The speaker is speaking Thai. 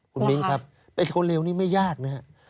คุณมิ้นครับไอ้คนเร็วนี้ไม่ยากนะครับ